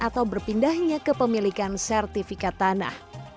atau berpindahnya ke pemilikan sertifikat tanah